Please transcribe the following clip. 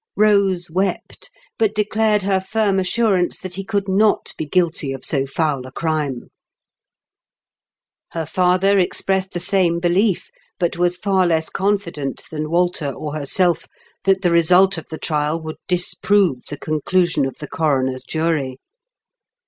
Kose wept, but declared her firm assurance that he could not be guilty of so foul a crime ; her father expressed the TEE BOOMED OF TEE DARK ENTRY. 197 same belief, but was far less confident than Walter or herself that the result of the trial would disprove the conclusion of the coroner's jury.